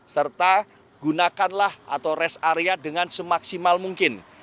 serta gunakanlah atau rest area dengan semaksimal mungkin